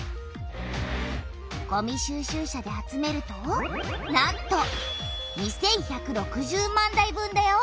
ごみ収集車で集めるとなんと２１６０万台分だよ！